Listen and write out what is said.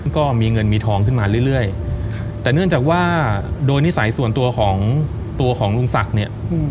ก็มีเงินมีทองขึ้นมาเรื่อยแต่เนื่องจากว่าโดยนิสัยส่วนตัวของตัวของลุงศักดิ์เนี่ย